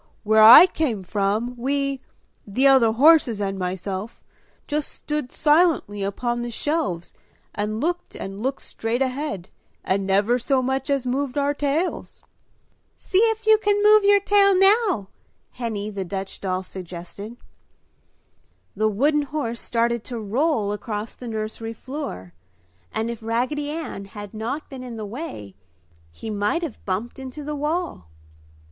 "Where I came from, we the other horses and myself just stood silently upon the shelves and looked and looked straight ahead, and never so much as moved our tails." "See if you can move your tail now!" Henny, the Dutch doll, suggested. The wooden horse started to roll across the nursery floor and if Raggedy Ann had not been in the way, he might have bumped into the wall.